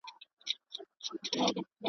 د اوښ غلا په چوغه نه کېږي.